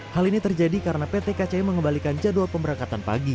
hal ini terjadi karena pt kci mengembalikan jadwal pemberangkatan pagi